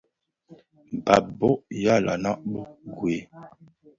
Bàb bôg yàa lanën bi ngüel.